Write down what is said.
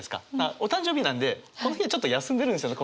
お誕生日なんでこの日はちょっと休んでるんですよね